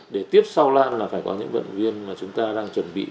để tiếp sau lan là phải có những vận viên mà chúng ta đang chuẩn bị